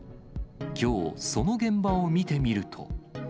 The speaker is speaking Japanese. きょう、その現場を見てみると。